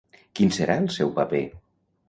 Quin serà el seu paper?